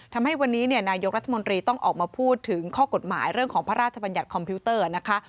ทำให้วันนี้นายกรัฐมนตรีต้องออกมาพูดถึงข้อกฎหมายเรื่องของพระราชบัญญัติคอมพิวเตอร์นะคะ